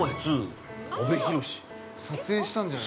◆撮影したんじゃない？